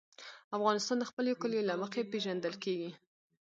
افغانستان د خپلو کلیو له مخې پېژندل کېږي.